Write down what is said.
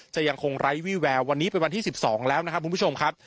ยังคงไร้วี่แวววันนี้เป็นวันที่๑๒แล้วนะครับคุณผู้ชมครับ